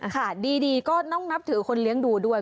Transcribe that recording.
ค่ะดีก็ต้องนับถือคนเลี้ยงดูด้วย